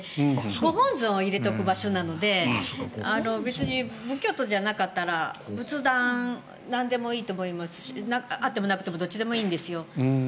ご本尊を入れておく場所なので別に仏教徒じゃなかったら仏壇、なんでもいいと思いますしあってもなくてもどっちでもいいんですよ。